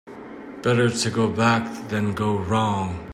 Better to go back than go wrong.